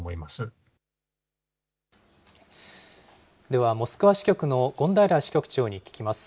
ではモスクワ支局の権平支局長に聞きます。